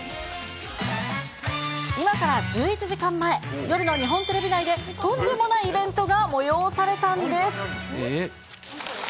今から１１時間前、夜の日本テレビ内でとんでもないイベントが催されたんです。